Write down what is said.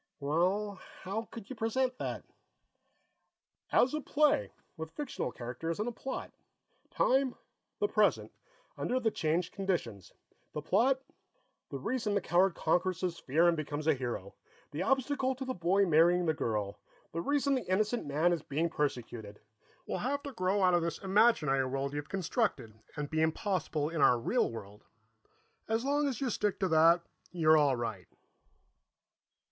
"Well, how could you present that?" "As a play, with fictional characters and a plot; time, the present, under the changed conditions. The plot the reason the coward conquers his fear and becomes a hero, the obstacle to the boy marrying the girl, the reason the innocent man is being persecuted will have to grow out of this imaginary world you've constructed, and be impossible in our real world. As long as you stick to that, you're all right."